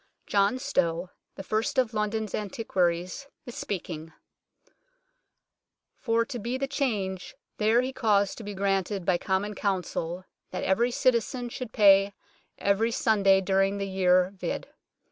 John Stow, the first of London antiquaries, is speaking :" For to bere the charge there he caused to be graunted by Comon Counseill, that every citezein shud pay every sonday duryng his yere vd.